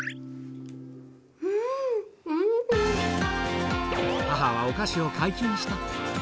うーん、母はお菓子を解禁した。